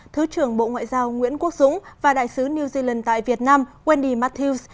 thứ trưởng bộ ngoại giao nguyễn quốc dũng và đại sứ new zealand tại việt nam wendy mathius